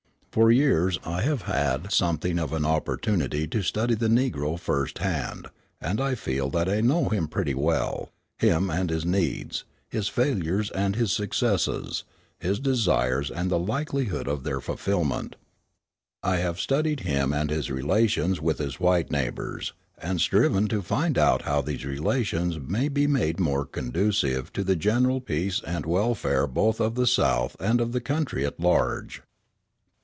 For years I have had something of an opportunity to study the Negro at first hand; and I feel that I know him pretty well, him and his needs, his failures and his successes, his desires and the likelihood of their fulfilment. I have studied him and his relations with his white neighbours, and striven to find how these relations may be made more conducive to the general peace and welfare both of the South and of the country at large.